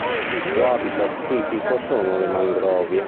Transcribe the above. Il suo habitat tipico sono le mangrovie.